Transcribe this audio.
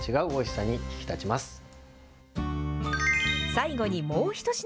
最後にもう一品。